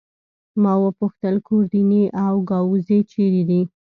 ما وپوښتل: ګوردیني او ګاووزي چيري دي؟